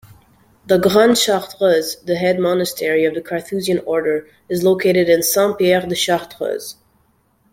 The Grande Chartreuse, the head monastery of the Carthusian order is located in Saint-Pierre-de-Chartreuse.